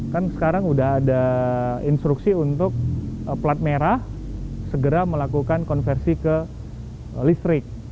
kan sekarang udah ada instruksi untuk plat merah segera melakukan konversi ke listrik